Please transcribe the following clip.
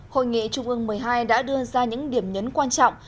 hội nghị trung ương một mươi hai đã đưa ra những điểm nhấn quan trọng